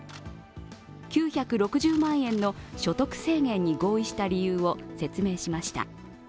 ９６０万円の所得制限に合意した理由を説明しました。